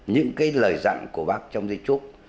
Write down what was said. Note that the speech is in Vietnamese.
những cái lời dặn của bác trong di trúc